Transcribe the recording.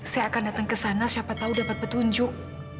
saya akan datang ke sana siapa tahu dapat petunjuk